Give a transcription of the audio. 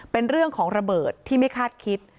เป็นเรื่องของระเบิดที่ไม่คาดคิด